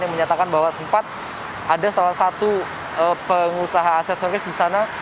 yang menyatakan bahwa sempat ada salah satu pengusaha aksesoris di sana